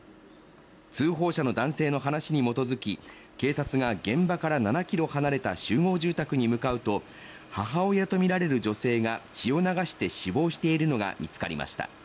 通報者の男性の話に基づき警察が現場から７ｋｍ離れた集合住宅に向かうと母親とみられる女性が血を流して死亡しているのが見つかりました。